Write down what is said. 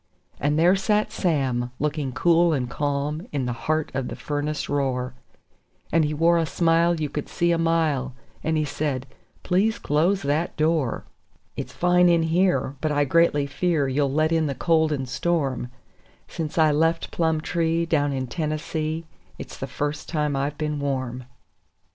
And there sat Sam, looking cool and calm, in the heart of the furnace roar; And he wore a smile you could see a mile, and he said: "Please close that door. It's fine in here, but I greatly fear you'll let in the cold and storm Since I left Plumtree, down in Tennessee, it's the first time I've been warm."